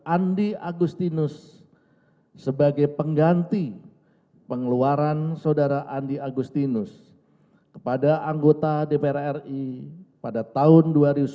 andi agustinus sebagai pengganti pengeluaran saudara andi agustinus kepada anggota dpr ri pada tahun dua ribu sembilan belas